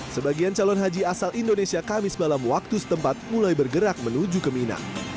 sebagian calon haji asal indonesia kamis malam waktu setempat mulai bergerak menuju ke mina